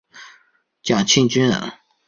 蒋庆均人。